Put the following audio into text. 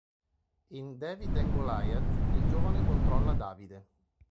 In "David and Goliath" il giocatore controlla Davide.